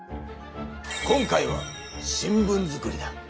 今回は新聞作りだ。